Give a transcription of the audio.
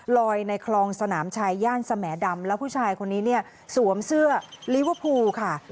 ในคลองสนามชายย่านสแหมดำแล้วผู้ชายคนนี้เนี่ยสวมเสื้อลิเวอร์พูลค่ะ